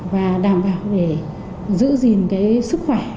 và đảm bảo để giữ gìn cái sức khỏe